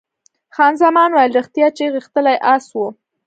خان زمان وویل، ریښتیا چې غښتلی اس وو.